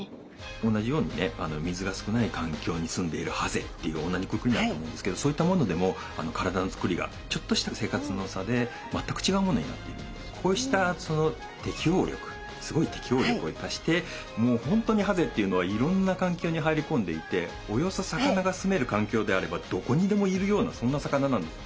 同じようにね水が少ない環境に住んでいるハゼっていう同じくくりだと思うんですけどそういったものでもこうしたその適応力すごい適応力を生かしてもう本当にハゼっていうのはいろんな環境に入り込んでいておよそ魚が住める環境であればどこにでもいるようなそんな魚なんですよ。